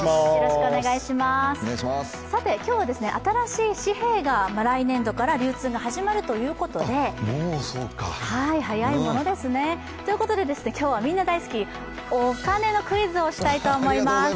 今日は新しい紙幣が来年度から流通が始まるということで、早いものですね、ということで今日はみんな大好き、お金のクイズをしたいと思います。